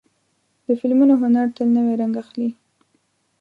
د فلمونو هنر تل نوی رنګ اخلي.